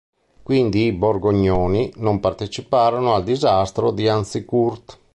Quindi i Borgognoni non parteciparono al disastro di Azincourt.